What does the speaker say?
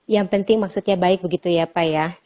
yang penting maksudnya baik begitu ya pak ya